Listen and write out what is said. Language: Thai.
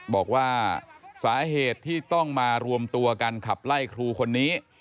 บอกว่าสาเหตุที่ต้องมารวมตัวกันขับไล่ครูคนนี้